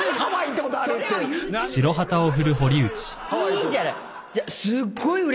いいじゃない。